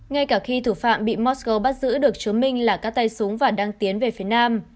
ngay cả khi thủ phạm bị mosco bắt giữ được chứng minh là các tay súng và đang tiến về phía nam